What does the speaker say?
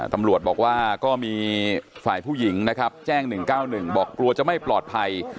ตำรวจบอกว่าก็มีฝ่ายผู้หญิงนะครับแจ้ง๑๙๑บอกกลัวจะไม่ปลอดภัย